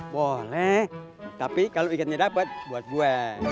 boleh tapi kalau ikannya dapat buat gue